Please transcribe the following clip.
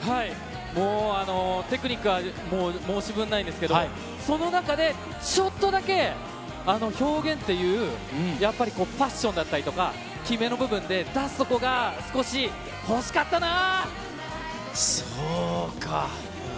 そしてＫＥＮＺＯさんはいかがでテクニックは申し分ないんですけど、その中で、ちょっとだけ表現っていう、やっぱりこう、パッションだったりとか、決めの部分で、出すとこが少し欲しかっそうか。